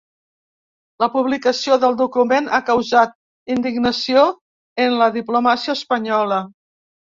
La publicació del document ha causat indignació en la diplomàcia espanyola.